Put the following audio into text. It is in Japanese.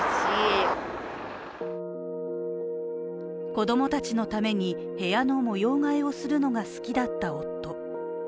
子供たちのために部屋の模様替えをするのが好きだった夫。